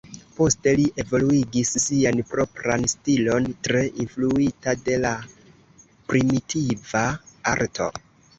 Poste li evoluigis sian propran stilon, tre influita de la primitiva arto.